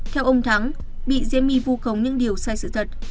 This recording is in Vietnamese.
theo ông thắng bị diễm my vu khống những điều sai sự thật